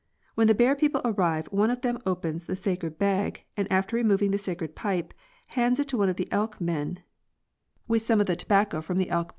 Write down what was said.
When the Bear people arrive one of them opens the sacred bag and, after remoying the sacred pipe, hands 'it to one of the Elk men, with some of the tobacco from the elk *2d Ann.